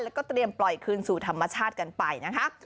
แล้วก็เตรียมปล่อยคืนสู่ธรรมชาติกันไปนะคะ